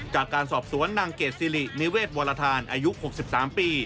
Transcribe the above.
จากการสอบสวนนางเกดสิรินิเวศวรธานอายุ๖๓ปี